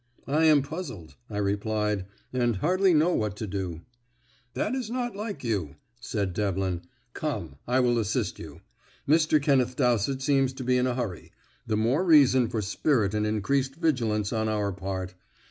"I am puzzled," I replied, "and hardly know what to do." "That is not like you," said Devlin. "Come, I will assist you. Mr. Kenneth Dowsett seems to be in a hurry. The more reason for spirit and increased vigilance on our part.